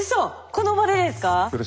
この場でですか？